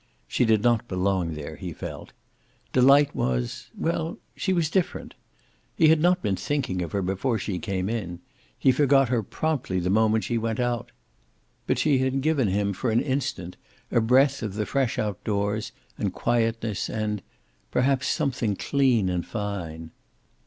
She did not belong there, he felt. Delight was well, she was different. He had not been thinking of her before she came in; he forgot her promptly the moment she went out. But she had given him, for an instant, a breath of the fresh out doors, and quietness and perhaps something clean and fine.